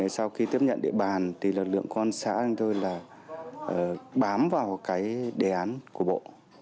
sau khi tiếp nhận địa bàn thì lực lượng công an xã chúng tôi là bám vào đề án của bộ